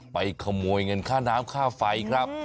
ไปขโมยเงินค่าน้ำค่าไฟครับ